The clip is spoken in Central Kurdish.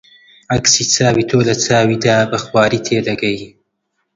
عەکسی چاوی تۆ لە چاویدا بە خواری تێدەگەی